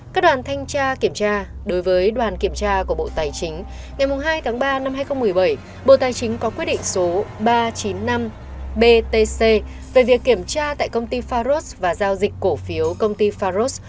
các đoàn thanh tra kiểm tra đối với đoàn kiểm tra của bộ tài chính ngày hai tháng ba năm hai nghìn một mươi bảy bộ tài chính có quyết định số ba trăm chín mươi năm btc về việc kiểm tra tại công ty faros và giao dịch cổ phiếu công ty faros